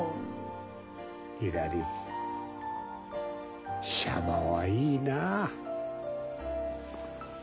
ひらりしゃばはいいなあ。